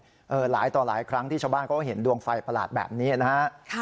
หลายต่อหลายครั้งที่ชาวบ้านเขาเห็นดวงไฟประหลาดแบบนี้นะฮะ